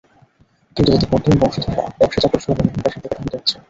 কিন্তু তাদের বর্তমান বংশধররা ব্যবসা-চাকুরী সহ বিভিন্ন পেশার দিকে ধাবিত হচ্ছেন।